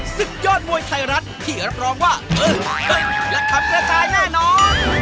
สุดยอดมวยไทยรัฐที่รับรองว่าเออเป็นรักคำกระจายแน่นอน